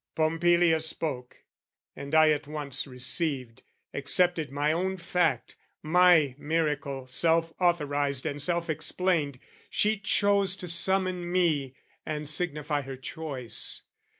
Pompilia spoke, and I at once received, Accepted my own fact, my miracle Self authorised and self explained, she chose To summon me and signify her choice.